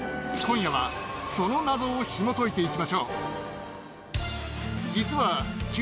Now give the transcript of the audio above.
今夜はその謎をひもといて行きましょう。